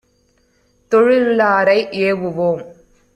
தொழிலுளாரை ஏவுவோம்.